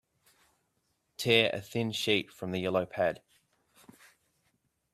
Tear a thin sheet from the yellow pad.